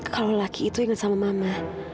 kalau laki itu ingat sama mama